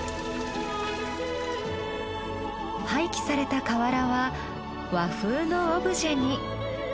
廃棄された瓦は和風のオブジェに。